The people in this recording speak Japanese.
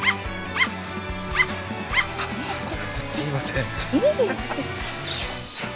ネギすいません